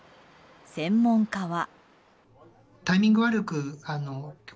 専門家は。